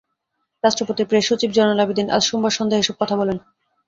রাষ্ট্রপতির প্রেস সচিব জয়নাল আবেদীন আজ রোববার সন্ধ্যায় এসব কথা বলেন।